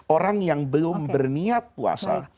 orang yang belum berniat puasa